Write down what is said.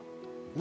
何？